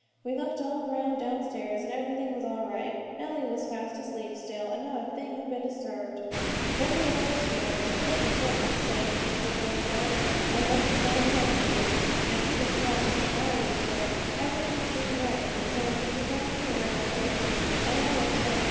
We looked all around downstairs and everything was all right. Nellie was fast asleep still, and not a thing had been disturbed. Then we went upstairs, 'just for form's sake,' Mr. Jones said, and looked in all the bedrooms, and even tried Mr. Brierly's door. Everything seemed right, and so Mr. Jones and Mary went away, and I went to bed.